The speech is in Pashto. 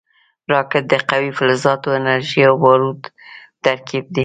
راکټ د قوي فلزاتو، انرژۍ او بارودو ترکیب دی